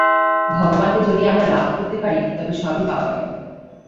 ভগবানকে যদি আমরা লাভ করতে পারি, তবে সবই পাওয়া গেল।